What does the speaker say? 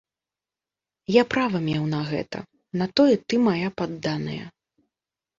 Я права меў на гэта, на тое ты мая падданая!